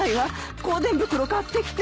香典袋買ってきて。